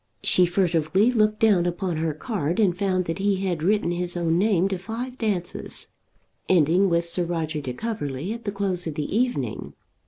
She furtively looked down upon her card and found that he had written his own name to five dances, ending with Sir Roger de Coverley at the close of the evening.